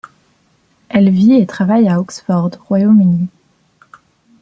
Elle vit et travaille à Oxford, Royaume-Uni.